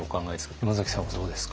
山崎さんはどうですか？